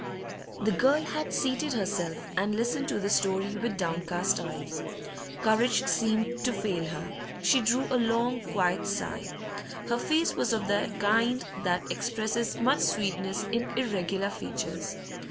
The girl had seated herself, and listened to this story with downcast eyes. Courage seemed to fail her; she drew a long, quiet sigh. Her face was of the kind that expresses much sweetness in irregular features.